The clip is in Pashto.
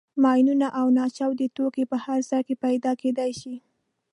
ماینونه او ناچاودي توکي په هر ځای کې پیدا کېدای شي.